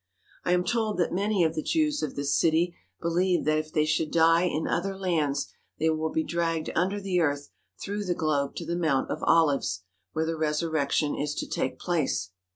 I am told that many of the Jews of this city believe that if they should die in other lands they will be dragged under the earth through the globe to the Mount of Olives, where the Resurrection is to take place.